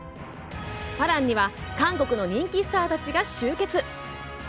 「花郎」には韓国の人気スターたちが集結。